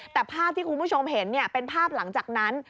แต่ภาพที่คุณผู้ชมเห็นเป็นภาพหลังจากนั้น